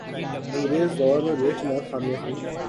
انگریز دور میں بے شمار خامیاں تھیں